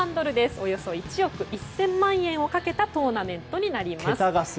およそ１億１０００万円をかけたトーナメントになります。